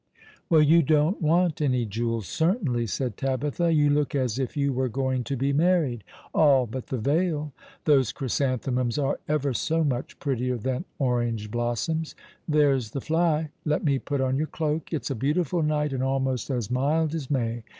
"Well, you don't want any jewels, certainly," said Tabitha. " You look as if you were going to be married — all but the veil. Those chrysanthemums are ever so much prettier than orange blossoms. There's the fly. Let mo put on your cloak. It's a beautiful night, and almost as mild as May.